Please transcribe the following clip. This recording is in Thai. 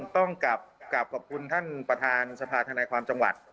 ต้องกลับขอบคุณท่านประธานสภาธนาความจังหวัด